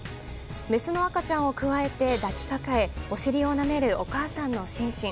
メスの赤ちゃんをくわえて抱きかかえお尻をなめるお母さんのシンシン。